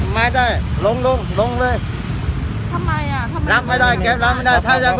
ไม่ได้ลงลงเลยทำไมอ่ะทำไมรับไม่ได้แกรับไม่ได้ถ้ายัง